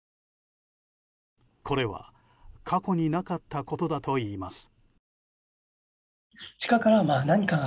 これは過去になかったことだといいます。